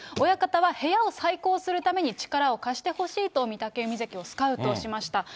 親方は部屋を再興するために力を貸してほしいと御嶽海関をスカウトしました。